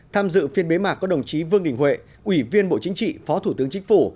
tham dự phiên bế mạc có đồng chí vương đình huệ ủy viên bộ chính trị phó thủ tướng chính phủ